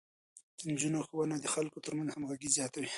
د نجونو ښوونه د خلکو ترمنځ همغږي زياتوي.